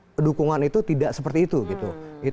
karena dukungan itu tidak seperti itu gitu